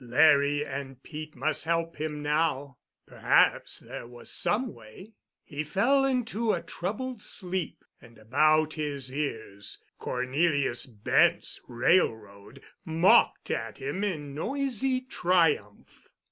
Larry and Pete must help him now. Perhaps there was some way. He fell into a troubled sleep, and about his ears Cornelius Bent's railroad mocked at him in noisy triumph.